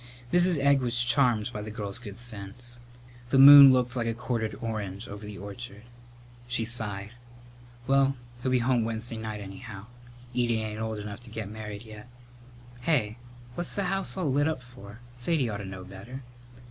Mrs. Egg was charmed by the girl's good sense. The moon looked like a quartered orange over the orchard. She sighed, "Well, he'll be home Wednesday night, anyhow. Edie ain't old enough to get married yet. Hey, what's the house all lit up for? Sadie ought to know better."